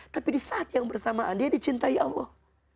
tapi di saat yang bersamaan dia dicintai allah